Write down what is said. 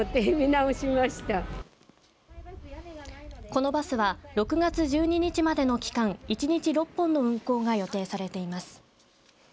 このバスは６月１２日までの期間１日６本の運行が予定されています。